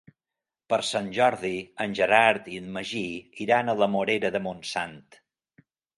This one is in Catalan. Per Sant Jordi en Gerard i en Magí iran a la Morera de Montsant.